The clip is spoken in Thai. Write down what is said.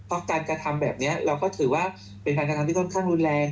เพราะการกระทำแบบนี้เราก็ถือว่าเป็นการกระทำที่ค่อนข้างรุนแรง